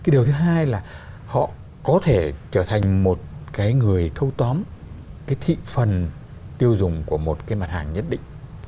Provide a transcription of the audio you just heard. điều thứ hai là họ có thể trở thành một người thô tóm thị phần tiêu dùng của một mặt hàng nhất định